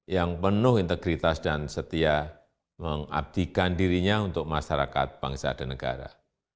yang penuh integritas dan setia mengabdikan dirinya untuk masyarakat bangsa dan negara